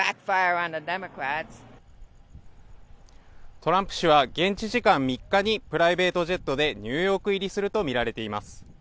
トランプ氏は現地時間３日にプライベートジェットでニューヨーク入りするとみられています。